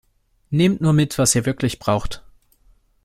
Nehmt nur mit, was ihr wirklich braucht!